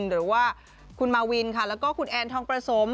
หรือว่าคุณมาวินค่ะแล้วก็คุณแอนทองประสม